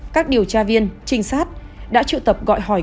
các điều tra viên trinh sát đã triệu tập gọi hỏi